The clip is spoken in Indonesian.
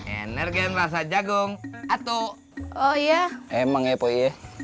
energen rasa jagung atau oh ya emang ya poy